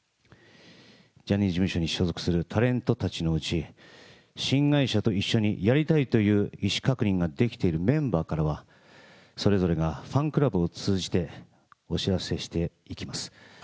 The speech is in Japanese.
ジャニーズ事務所に所属するタレントたちのうち、新会社と一緒にやりたいという意思確認ができているメンバーからは、それぞれがファンクラブを通じてお知らせしていきます。